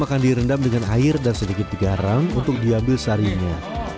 akan direndam dengan air dan sedikit digaram untuk diambil sarinya